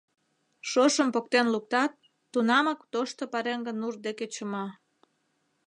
Шошым поктен луктат — тунамак тошто пареҥге нур деке чыма.